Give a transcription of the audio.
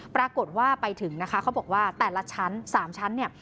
ปรากฏว่าไปถึงนะคะเขาบอกว่าแต่ละชั้น๓ชั้นเนี่ย